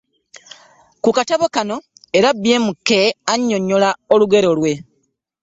Ku katabo kano era BMK annyonnyola olugero lwe